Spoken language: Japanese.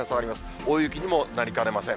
大雪にもなりかねません。